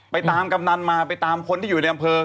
ตามกำนันมาไปตามคนที่อยู่ในอำเภอ